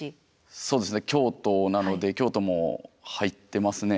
そうですね京都なので京都も入ってますね。